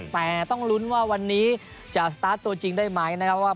แต่ต้องลุ้นว่าวันนี้จะสตาร์ทตัวจริงได้ไหมนะครับว่า